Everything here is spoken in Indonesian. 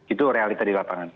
itu realita di lapangan